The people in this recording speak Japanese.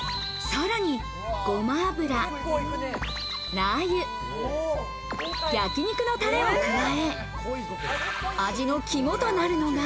さらに、ごま油、ラー油、焼肉のタレを加え、味の肝となるのが。